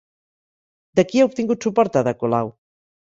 De qui ha obtingut suport Ada Colau?